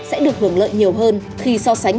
sẽ được hưởng lợi nhiều hơn khi so sánh